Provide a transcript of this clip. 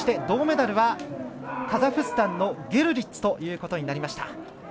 銅メダルはカザフスタンのゲルリッツということになりました。